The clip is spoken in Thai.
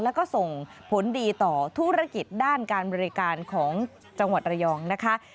แล้วก็ส่งผลดีต่อธุรกิจด้านการบริการของจังหวัดระยองนะคะ